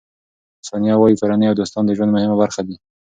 ثانیه وايي، کورنۍ او دوستان د ژوند مهمه برخه دي.